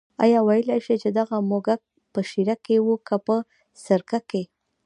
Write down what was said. آیا ویلای شې چې دغه موږک په شېره کې و که په سرکه کې.